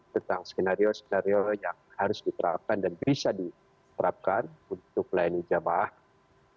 tentang skenario skenario yang harus diterapkan dan bisa diterapkan untuk pelayanan jembat haji